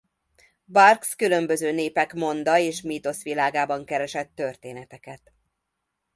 Barks különböző népek monda és mítosz világában keresett történeteket.